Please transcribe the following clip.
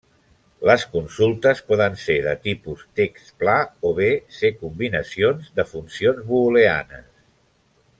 Les consultes poden ser de tipus text pla o bé ser combinacions de funcions booleanes.